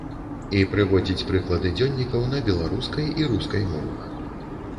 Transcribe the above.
І прыводзіць прыклады дзённікаў на беларускай і рускай мовах.